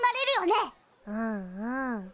うんうん。